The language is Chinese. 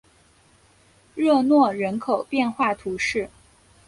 热诺人口变化图示